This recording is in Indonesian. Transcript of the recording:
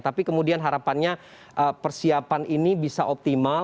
tapi kemudian harapannya persiapan ini bisa optimal